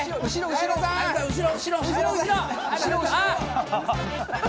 後ろ後ろ！